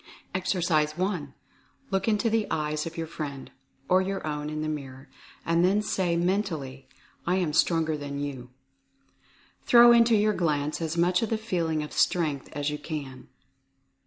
Exercise i. Look into the eyes of your friend (or your own in the mirror) and then say mentally "I am Stronger than you." Throw into your glance as much of the feeling of Strength as you can.